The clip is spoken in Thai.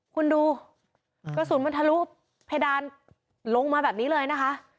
คุณดูกระสุนมันทะลุเพดานลงมาแบบนี้เลยนะคะ